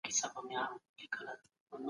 د خپل حق غوښتنه کول زده کړه غواړي.